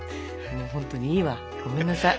もう本当にいいわごめんなさい。